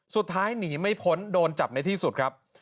สุดท้ายหนีไม่พ้นโดนจับในที่สุดครับ